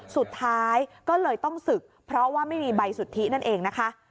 สุดท้ายก็เลยต้องศึกเพราะว่าไม่มีใบสุทธินั่นเองนะคะ